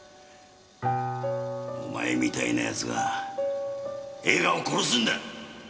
お前みたいな奴が映画を殺すんだ！